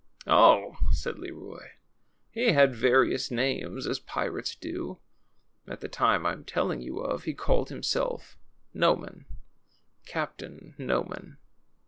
Oh !" said Leroy, ^Hie had various names, as pirates do. At the time I'm telling you of he called himself Noman — Captain Noman.